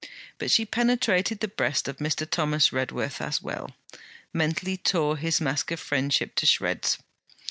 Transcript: But she penetrated the breast of Mr. Thomas Redworth as well, mentally tore his mask of friendship to shreds.